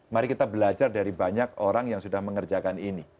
mari kita belajar dari banyak orang yang sudah mengerjakan ini